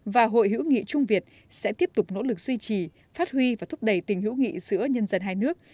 và hội hữu nghị trung việt sẽ tiếp tục nỗ lực duy trì phát huy và thúc đẩy tình hữu nghị giữa nhân dân hai nước